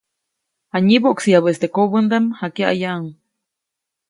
Janyiboʼksäyabäʼis teʼ kobändaʼm, jakyaʼyaʼuŋ.